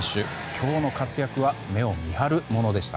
今日の活躍は目を見張るものでした。